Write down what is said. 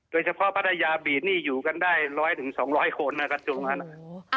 โดยเฉพาะภรรยาบีทนี่อยู่กันได้ร้อยถึงสองร้อยคนนะคะจุดขึ้นมา